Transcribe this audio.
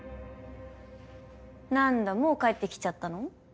なんだもう帰ってきちゃったの？